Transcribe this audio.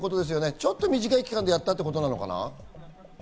ちょっと短い期間でやったってことなのかな？